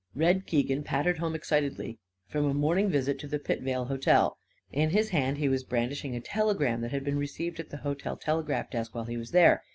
Red Keegan pattered home excitedly from a morning visit to the Pitvale Hotel. In his hand he was brandishing a telegram that had been received at the hotel telegraph desk while he was there.